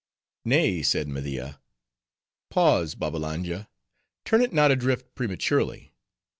"Nay," said Media; "pause, Babbalanja. Turn it not adrift prematurely.